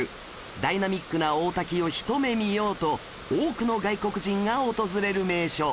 ダイナミックな大滝を一目見ようと多くの外国人が訪れる名所